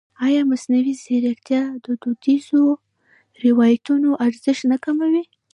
ایا مصنوعي ځیرکتیا د دودیزو روایتونو ارزښت نه کموي؟